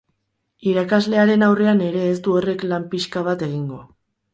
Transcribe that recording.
Irakaslearen aurrean ere ez du horrek lan pixka bat egingo.